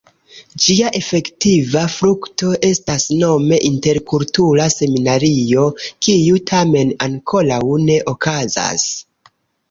Ĝia efektiva frukto estas nome "Interkultura Seminario", kiu tamen ankoraŭ ne okazas.